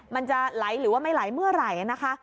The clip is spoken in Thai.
มันจะไหลหรือไม่ไหลเมื่อไหร่